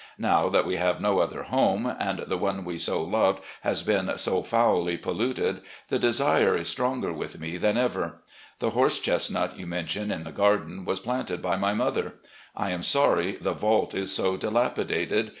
Now that we have no other home, and the one we so loved has been so foully polluted, the desire is stronger with me than ever. The horse chestnut you mention in the garden was planted by my mother. I am sorry the vault is so dilapidated.